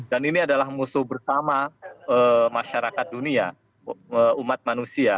dan ini adalah musuh bersama masyarakat dunia umat manusia